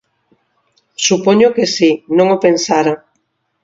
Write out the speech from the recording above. Supoño que si, non o pensara.